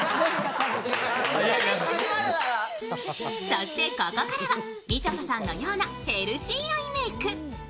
そして、ここからはみちょぱさんのようなヘルシーアイメイク。